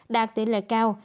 đạt tỷ lệ cao